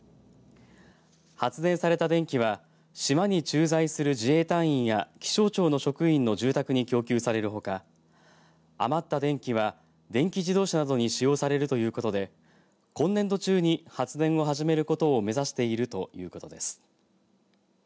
発電された電気は島に駐在する自衛隊員や気象庁の職員の住宅に供給されるほか余った電気は電気自動車などに使用されるということで今年度中に発電を始めることを目指しているということです。